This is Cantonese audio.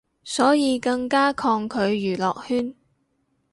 所以更加抗拒娛樂圈